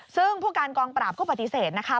ซึ่งผู้การกองปราบก็ปฏิเสธนะคะ